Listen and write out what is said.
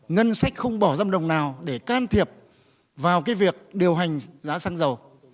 ngân sách không bỏ ra một đồng nào để can thiệp vào cái việc điều hành giá xăng dầu